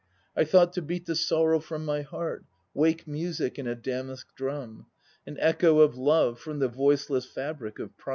I thought to beat the sorrow from my heart, Wake music in a damask drum; an echo of love From the voiceless fabric of pride!